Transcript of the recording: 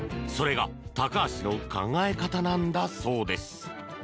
それがタカハシの考え方なんだそうです。